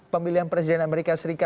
pemilihan presiden amerika seringkali